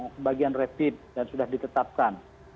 sebagian rapid yang sudah ditetapkan